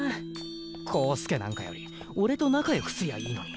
浩介なんかよりおれと仲良くすりゃいいのに。